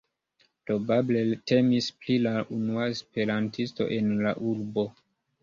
Probable temis pri la unua esperantisto en la urbo.